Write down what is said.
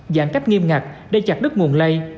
giãn cách nghiêm ngặt để chặt đứt nguồn lây